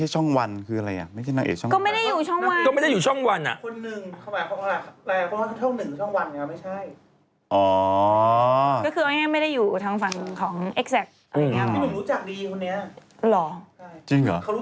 หรอจริงเหรอเขารู้จักพี่หนุ่มดี